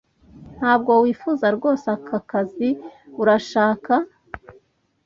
Ntabwo wifuza rwose aka kazi, urashaka?